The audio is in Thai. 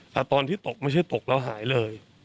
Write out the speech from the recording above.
แต่ตอนที่ตกไม่ใช่ตกแล้วหายเลย